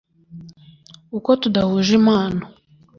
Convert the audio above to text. uko tudahuje impano